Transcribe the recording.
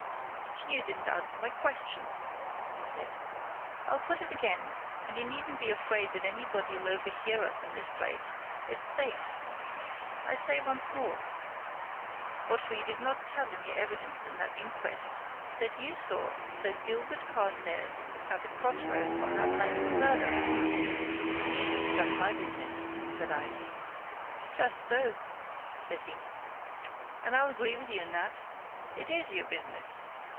"You didn't answer my question," he said. "I'll put it again, and you needn't be afraid that anybody'll overhear us in this place, it's safe! I say once more, what for did you not tell in your evidence at that inquest that you saw Sir Gilbert Carstairs at the cross roads on the night of the murder! Um?" "That's my business!" said I "Just so," said he. "And I'll agree with you in that. It is your business.